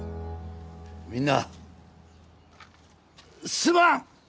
みんなすまん！